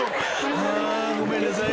［あごめんなさい。